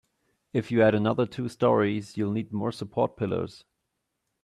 If you add another two storeys, you'll need more support pillars.